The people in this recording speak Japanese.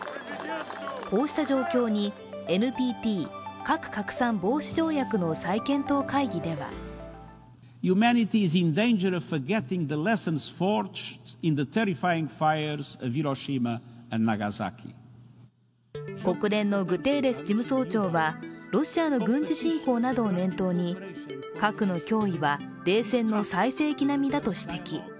こうした状況にＮＰＴ＝核拡散防止条約の再検討会議では国連のグテーレス事務総長はロシアの軍事侵攻などを念頭に核の脅威は冷戦の最盛期並みだと指摘。